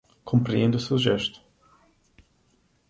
Compreendo o seu gesto